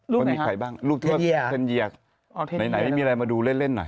รูปไหนคะเทนเยียร์ในไหนมีอะไรมาดูเล่นหน่อย